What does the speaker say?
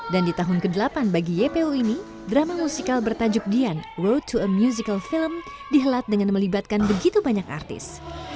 dan di tahun ke delapan bagi ypu ini drama musikal bertajuk dian road to a musical film dihelat dengan melibatkan begitu banyak artis